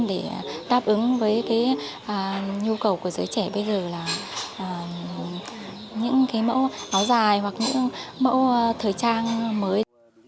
để đáp ứng với cái nhu cầu của giới trẻ bây giờ là những cái mẫu áo dài hoặc những mẫu thời trang mới